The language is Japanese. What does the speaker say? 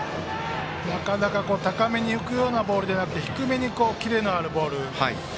高めに浮くようなボールじゃなくて低めにキレのあるボール。